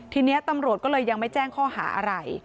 ทีนี้ตำรวจก็เลยยังไม่แจ้งข้อหาอะไร